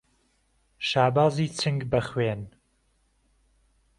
شابازی چنگ به خوێن